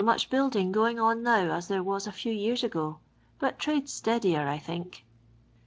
295 much building going on now as there wai a few years ago, but txado '• steadier, I think."